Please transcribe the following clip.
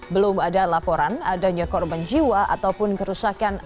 belum ada laporan adanya korban jiwa ataupun kerusakan